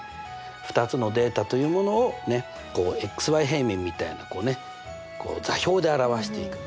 ２つのデータというものを平面みたいな座標で表していく。